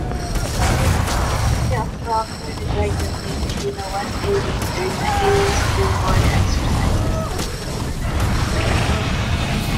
She also operated regularly in the West Indies during the annual "Springboard" exercises.